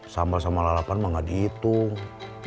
sambal sama lalapan mah gak dihitung